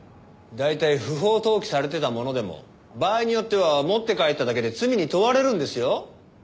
大体不法投棄されてたものでも場合によっては持って帰っただけで罪に問われるんですよ。